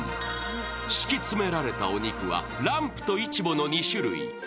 敷き詰められたお肉は、ランプとイチボの２種類。